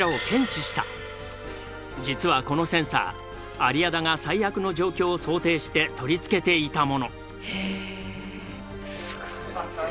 実はこのセンサー有屋田が最悪の状況を想定して取り付けていたもの。